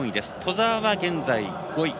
兎澤は現在５位。